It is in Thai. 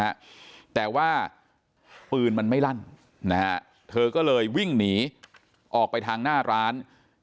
นะฮะแต่ว่าปืนมันไม่ลั่นนะฮะเธอก็เลยวิ่งหนีออกไปทางหน้าร้าน